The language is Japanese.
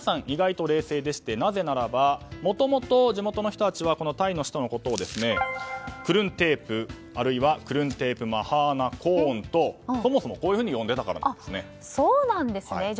意外と冷静でしてなぜならばもともと地元の人たちはタイの首都のことをクルンテープ、あるいはクルンテープ・マハーナコーンとそもそもこう呼んでいたからなんですね。